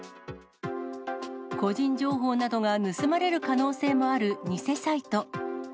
個人情報などが盗まれる可能性もある偽サイト。